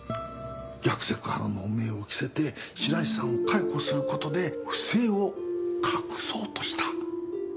逆セクハラの汚名を着せて白石さんを解雇することで不正を隠そうとした。